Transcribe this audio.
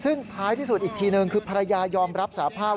ซึ่งท้ายที่สุดอีกทีหนึ่งคือภรรยายอมรับสาภาพ